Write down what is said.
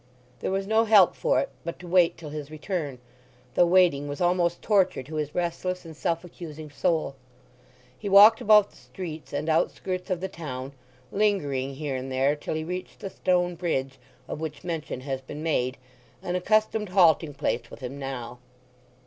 There was no help for it but to wait till his return, though waiting was almost torture to his restless and self accusing soul. He walked about the streets and outskirts of the town, lingering here and there till he reached the stone bridge of which mention has been made, an accustomed halting place with him now.